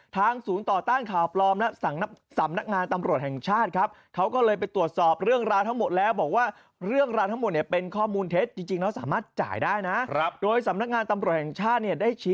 ทางศูนย์ต่อต้านข่าวพลอมหลักสำนักงานตำรวจแห่งชาติ